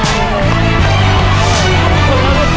สวัสดีครับ